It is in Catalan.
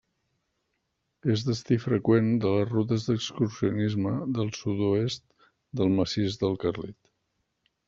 És destí freqüent de les rutes d'excursionisme del sud-oest del Massís del Carlit.